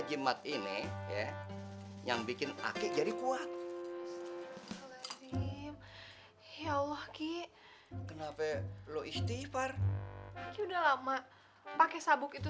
jimat ini yang bikin ake jadi kuat ya allah ki kenapa lu istighfar sudah lama pakai sabuk itu